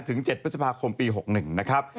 ๗พฤษภาคมปี๖๑นะครับ